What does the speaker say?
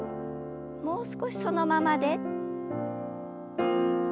もう少しそのままで。